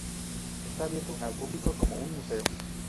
Está abierto al público como un museo.